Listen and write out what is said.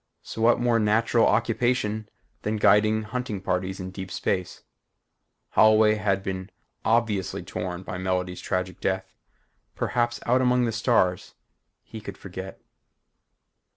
So what more natural occupation than guiding hunting parties in deep space? Holloway had been obviously torn by Melody's tragic death. Perhaps out among the stars he could forget.